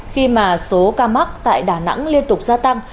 khi mà số ca mắc tại đà nẵng liên tục gia tăng